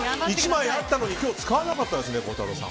１枚あったのに今日使わなかったんですね